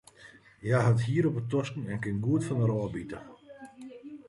Hja hat hier op de tosken en kin goed fan har ôfbite.